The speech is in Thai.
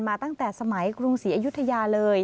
ตั้งแต่สมัยกรุงศรีอยุธยาเลย